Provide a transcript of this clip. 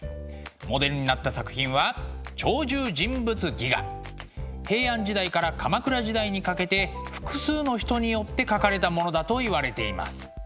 モデルになった作品は平安時代から鎌倉時代にかけて複数の人によって描かれたものだといわれています。